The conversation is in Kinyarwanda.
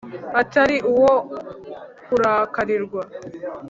atari uwo kurakarirwa.